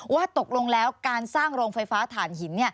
ว่าตกลงแล้วการสร้างโรงไฟฟ้าฐานหิน